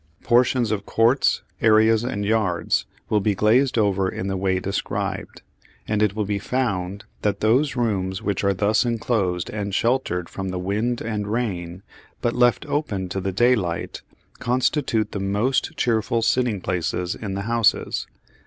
Portions of courts, areas and yards will be glazed over in the way described; and it will be found that those rooms which are thus enclosed and sheltered from the wind and rain, but left open to the daylight, constitute the most cheerful sitting places in the houses.